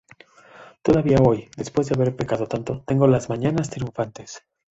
todavía hoy, después de haber pecado tanto, tengo las mañanas triunfantes